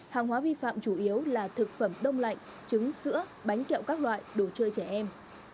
hàng hóa vi phạm chủ yếu là thực phẩm đông lạnh trứng sữa bánh kẹo các loại đồ chơi trẻ em